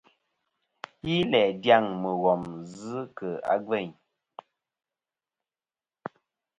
Yi læ dyaŋ mùghom zɨ kɨ̀ a gveyn.